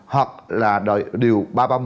hoặc là điều ba trăm ba mươi một